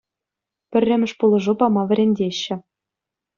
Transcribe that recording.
Пӗрремӗш пулӑшу пама вӗрентеҫҫӗ